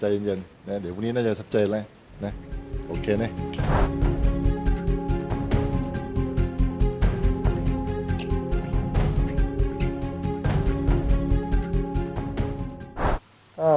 ใจเย็นวันนี้น่าจะชัดเจนเลยโอเคเนี่ย